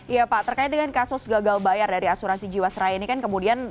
iya pak terkait dengan kasus gagal bayar dari asuransi jiwasraya ini kan kemudian